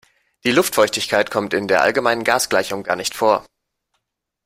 Die Luftfeuchtigkeit kommt in der allgemeinen Gasgleichung gar nicht vor.